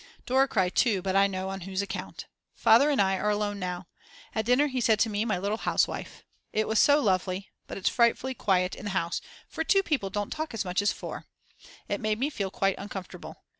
Dora cried too, but I know on whose account. Father and I are alone now. At dinner he said to me: "My little housewife." It was so lovely. But it's frightfully quiet in the house, for 2 people don't talk so much as 4. It made me feel quite uncomfortable.